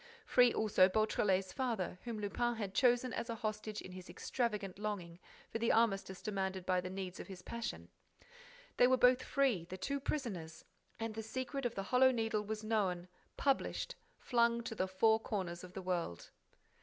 Free also Beautrelet's father, whom Lupin had chosen as a hostage in his extravagant longing for the armistice demanded by the needs of his passion! They were both free, the two prisoners! And the secret of the Hollow Needle was known, published, flung to the four corners of the world!